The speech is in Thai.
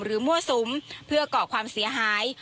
มั่วสุมเพื่อก่อความเสียหาย